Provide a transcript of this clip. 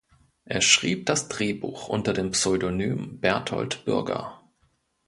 Er schrieb das Drehbuch unter dem Pseudonym „Berthold Bürger“.